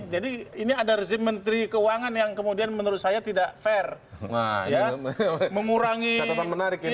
jadi ini ada rezim menteri keuangan yang menurut saya tidak fair